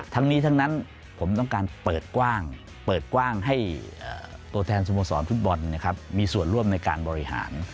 ทั้งนี้ทั้งนั้นผมต้องการเปิดกว้างเปิดกว้างให้ตัวแทนสโมสรฟุตบอลมีส่วนร่วมในการบริหาร